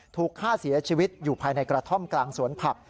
ถูกฆ่าเสียชีวิตอยู่ภายในกระท่อมกลางสวนผัก